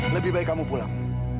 lebih baik kamu pulang